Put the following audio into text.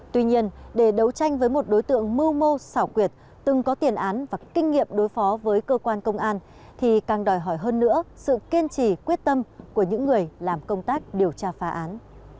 tuy nhiên để đấu tranh với một đối tượng mưu mô xảo quyệt từng có tiền án và kinh nghiệm đối phó với cơ quan công an thì càng đòi hỏi hơn nữa sự kiên trì quyết tâm của những người làm công tác điều tra phá án